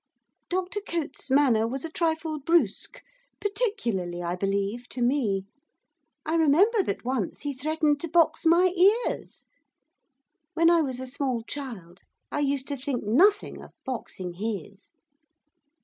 Dr Cotes' manner was a trifle brusque, particularly, I believe, to me. I remember that once he threatened to box my ears. When I was a small child I used to think nothing of boxing his.